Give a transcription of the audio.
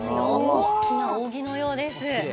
大きな扇のようです。